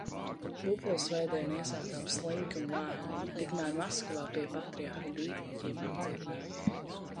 Pūpolsvētdienu iesākām slinki un lēni. Tikmēr Maskavā pie Patriarha dīķiem apcietināja Jēzu.